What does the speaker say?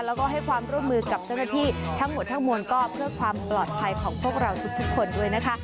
แล้วก็ให้ความร่วมมือกับเจ้าหน้าที่ทั้งหมดทั้งมวลก็เพื่อความปลอดภัยของพวกเราทุกคนด้วยนะคะ